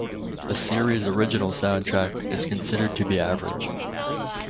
The series' original soundtrack is considered to be average.